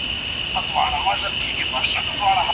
شاګردانو ته باید د ازاد فکر کولو زمینه برابره سي.